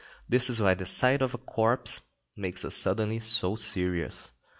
This is why the sight of a corpse makes us suddenly so serious.